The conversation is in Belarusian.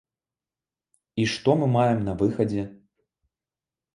І што мы маем на выхадзе?